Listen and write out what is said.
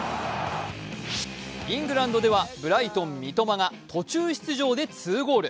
イングランドではブライトン・三笘が途中出場で２ゴール。